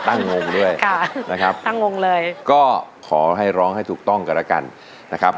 งงด้วยค่ะนะครับตั้งงงเลยก็ขอให้ร้องให้ถูกต้องกันแล้วกันนะครับ